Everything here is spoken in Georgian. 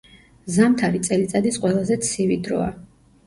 ზამთარი წელიწადის ყველაზე ცივი დროა.